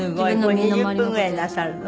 ２０分ぐらいなさるの？